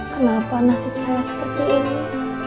kenapa nasib saya seperti ini